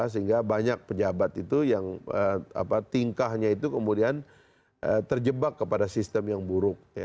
sehingga banyak pejabat itu yang tingkahnya itu kemudian terjebak kepada sistem yang buruk